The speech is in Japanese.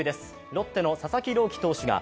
ロッテの佐々木朗希投手が